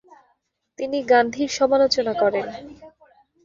তিনি গান্ধীর সমালোচনা করেন।